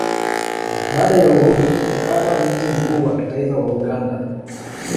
Baada ya uhuru ikawa mji mkuu wa kitaifa wa Uganda.